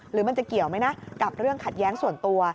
หรือมันจะเกี่ยวไหมนะกับเรื่องขัดแย้งส่วนตัว